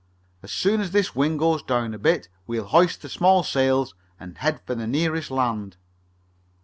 As soon as this wind goes down a bit we'll hoist the small sails and head for the nearest land."